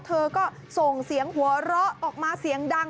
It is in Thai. เธอก็ส่งเสียงหัวเราะออกมาเสียงดัง